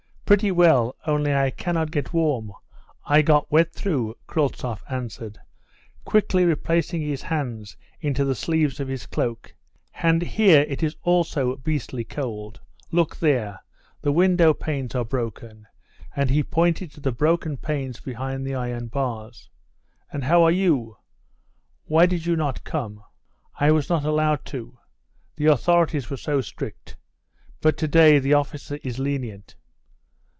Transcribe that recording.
"Pretty well, only I cannot get warm; I got wet through," Kryltzoff answered, quickly replacing his hands into the sleeves of his cloak. "And here it is also beastly cold. There, look, the window panes are broken," and he pointed to the broken panes behind the iron bars. "And how are you? Why did you not come?" "I was not allowed to, the authorities were so strict, but to day the officer is lenient."